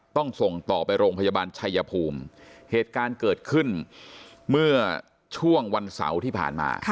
ต้องส่งต่อไปโรงพยาบาลชัยภูมิเหตุการณ์เกิดขึ้นเมื่อช่วงวันเสาร์ที่ผ่านมา